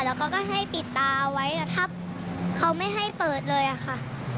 แล้วก็ให้ปิดตาเอาไว้แต่เขาไม่ให้เปิดเลยอะค่ะ